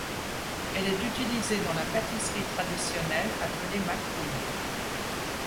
Elle est utilisée dans la pâtisserie traditionnelle appelée makroud.